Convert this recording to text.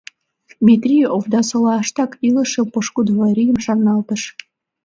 Метрий Овдасолаштак илыше пошкудо Варийым шарналтыш.